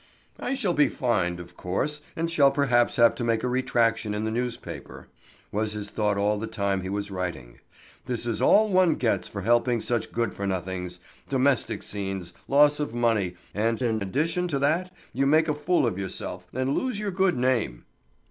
"I shall be fined, of course, and shall perhaps have to make a retractation in the newspaper," was his thought all the time he was writing. "This is all one gets for helping such good for nothings domestic scenes, loss of money, and in addition to that you make a fool of yourself, and lose your good name!"